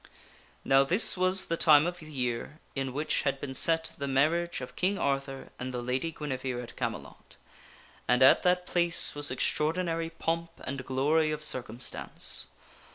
Now this was the time of year in which had been set the marriage of King Arthur and the Lady Guinevere at Camelot, and at that place was extraor dinary pomp and glory of circumstance.